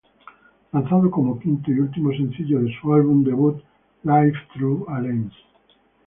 Lanzado como quinto y último sencillo de su álbum debut "Life Thru A Lens.